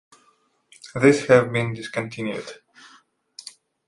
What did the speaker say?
These have been discontinued.